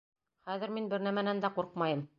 Хәҙер мин бер нәмәнән дә ҡурҡмайым!